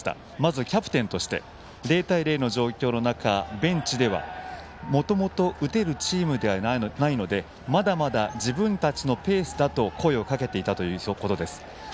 まずキャプテンとして０対０の状況の中ベンチにでは、もともと打てるチームではないのでまだまだ自分たちのペースだと声をかけていたということです。